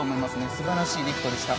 素晴らしいリフトでした。